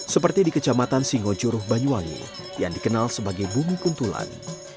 seperti di kecamatan singojuruh banyuwangi yang dikenal sebagai bumi kuntulan